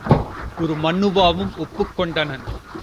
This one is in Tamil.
உருமண்ணுவாவும் ஒப்புக் கொண்டனன்.